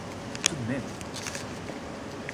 Tout de même.